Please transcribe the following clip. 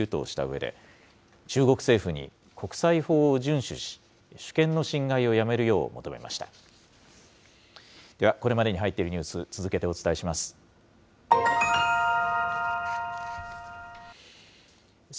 では、これまでに入っているニュース、続けてお伝えします。